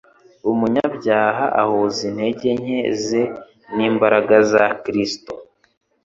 Umunyabyaha ahuza intege nke ze n'imbaraga za Kristo,